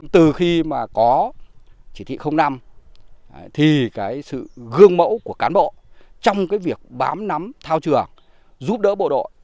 từ khi mà có chỉ thị năm thì cái sự gương mẫu của cán bộ trong cái việc bám nắm thao trường giúp đỡ bộ đội